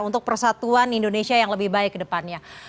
untuk persatuan indonesia yang lebih baik ke depannya